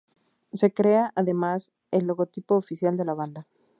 Se crea, además, el logotipo oficial de la banda.